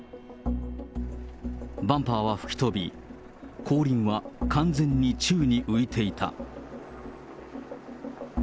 バンパーは吹き飛び、後輪は完全に宙に浮いていた。